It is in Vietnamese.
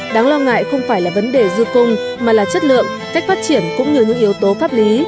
đáng lo ngại không phải là vấn đề dư cung mà là chất lượng cách phát triển cũng như những yếu tố pháp lý